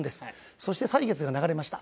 そして歳月が流れました。